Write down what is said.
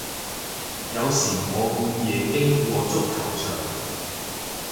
有時我半夜經過足球場